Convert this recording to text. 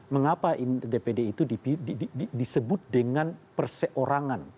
mengapa dpd itu disebut dengan perseorangan